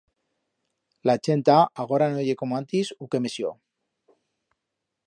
La chenta agora no ye como antis u quemesió.